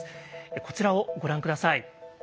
こちらをご覧下さい。